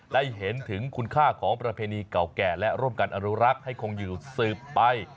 ได้เห็นถึงคุณค่าของประเพณีเก่าแก่และร่วมกันอนุรักษ์ให้คงอยู่สืบไป